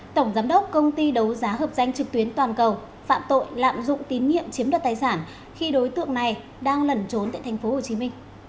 tổng giám đốc công ty đấu giá hợp danh trực tuyến toàn cầu phạm tội lạm dụng tín nhiệm chiếm đoạt tài sản khi đối tượng này đang lẩn trốn tại tp hcm